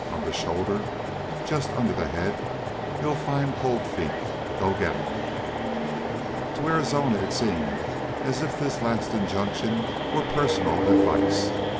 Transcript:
On the shoulder just under the head you'll find Cold Feet. Go get him!" To Arizona it seemed as if this last injunction were personal advice.